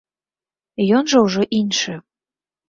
Ён жа ўжо іншы.